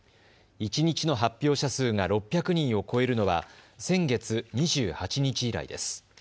一日の発表者数が６００人を超えるのは先月２８日以来です。